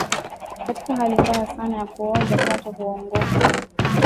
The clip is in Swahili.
Katika hali mbaya sana ya kuoza kwato hungoka